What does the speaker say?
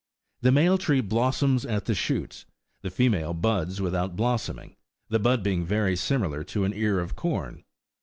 The male tree blossoms at the shoots ; the female buds without blossoming, the bud being very similar to an ear of corn.